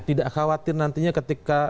tidak khawatir nantinya ketika